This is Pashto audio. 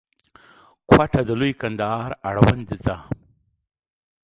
کوټه د لوی کندهار اړوند ده.